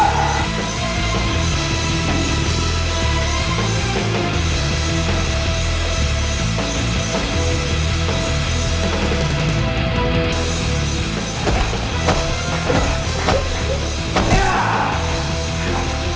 pak ujang hati hati